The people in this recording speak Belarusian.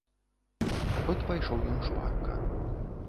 От пайшоў ён шпарка.